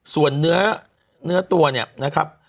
ส่วนเนื้อตัวเนี่ยนะครับ